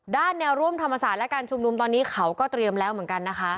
แนวร่วมธรรมศาสตร์และการชุมนุมตอนนี้เขาก็เตรียมแล้วเหมือนกันนะคะ